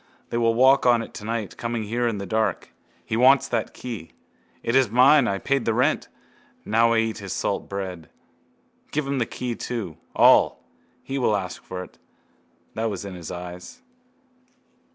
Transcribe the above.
They will walk on it tonight, coming here in the dark. He wants that key. It is mine. I paid the rent. Now I eat his salt bread. Give him the key too. All. He will ask for it. That was in his eyes.